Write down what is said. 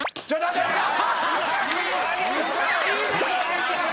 おかしいでしょ！